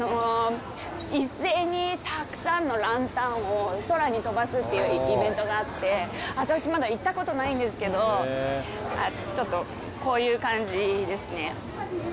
一斉にたくさんのランタンを空に飛ばすっていうイベントがあって、私、まだ行ったことないんですけど、ちょっとこういう感じですね。